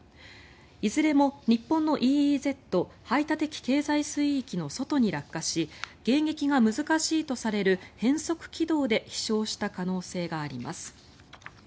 いずれも日本のＥＥＺ・排他的経済水域の外に落下し迎撃が難しいとされる変則軌道で飛翔した可能性があります。